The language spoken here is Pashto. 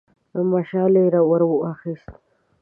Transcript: مشعل يې ور واخيست.